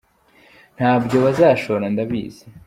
ntabyobashora ndabizi.